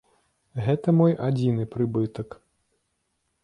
Гэта мой адзіны прыбытак.